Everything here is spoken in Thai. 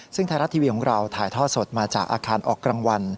ซึ่งไทยรัฐทีวีของเราถ่ายทอดสดมาจากอาคารออกรางวัล